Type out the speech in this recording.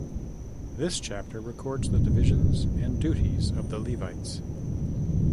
This chapter records the divisions and duties of the Levites.